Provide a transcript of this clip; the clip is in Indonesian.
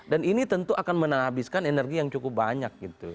dan ini tentu akan menanghabiskan energi yang cukup banyak gitu